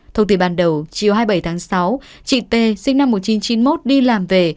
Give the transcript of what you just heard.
thông tin ban đầu chiều hai mươi bảy tháng sáu chị t sinh năm một nghìn chín trăm chín mươi một đi làm về